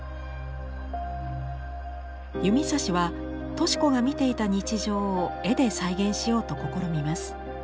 弓指は敏子が見ていた日常を絵で再現しようと試みます。